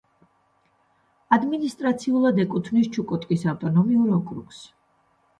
ადმინისტრაციულად ეკუთვნის ჩუკოტკის ავტონომიურ ოკრუგს.